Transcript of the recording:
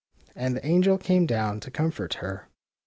And the angel came down to comfort her.